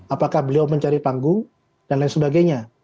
apakah beliau mencari panggung dan lain sebagainya